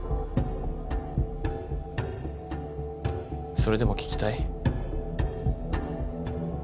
それでも聞きたい？